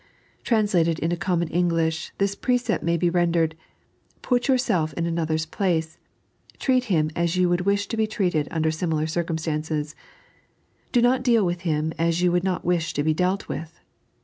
Translated into common English, this precept may be rendered: Put yourself in another's place; treat him as you would wish to be treated under similar circumstances ; do not deal with him as you would not wish to be dealt with.